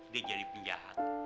dia jadi penjahat